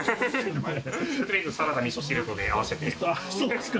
とりあえずサラダとみそ汁で合わせて。